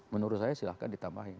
menurut saya silahkan ditambahin